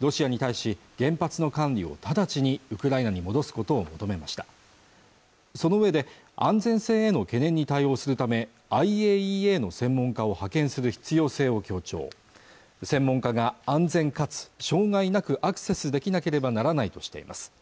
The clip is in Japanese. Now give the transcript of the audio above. ロシアに対し原発の管理を直ちにウクライナに戻すことを求めましたそのうえで安全性への懸念に対応するためＩＡＥＡの専門家を派遣する必要性を強調専門家が安全かつ障害なくアクセスできなければならないとしています